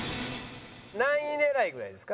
何位狙いぐらいですか？